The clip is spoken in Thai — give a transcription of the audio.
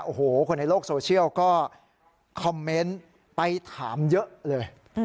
โอ้โหคนในโลกโซเชียลก็คอมเมนต์ไปถามเยอะเลย